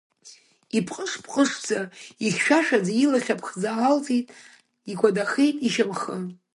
Ипҟыш-пҟышӡа, ихьшәашәаӡа илахь аԥхӡы аалҵит, икәадахеит ишьамхы.